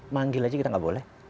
manggil aja kita nggak boleh